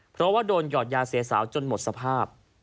เพราะว่าโดนหยอดยาเสียสาวจนหมดสภาพ